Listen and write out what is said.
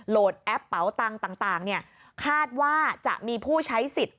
โหลดแอปเป๋าตังต่างคาดว่าจะมีผู้ใช้สิทธิ์